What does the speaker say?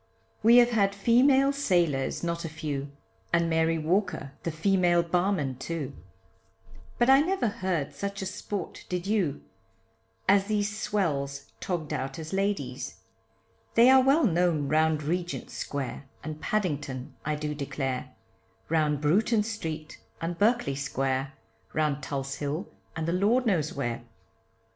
We have had female sailors not a few, And Mary Walker the female barman, too, But I never heard such a sport, did you, As these swells tog'd out as ladies. They are well known round Regent Square. And Paddington I do declare, Round Bruton street, and Berkeley Square, Round Tulse Hill, and the lord knows where.